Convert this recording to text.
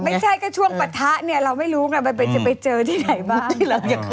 ไม่ใช่แค่ช่วงปะทะเนี่ยเราไม่รู้ไงจะไปเจอที่ไหนบ้าง